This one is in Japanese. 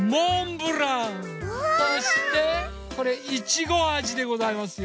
そしてこれいちごあじでございますよ。